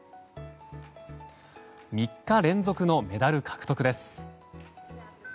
３日連続のメダル獲得です。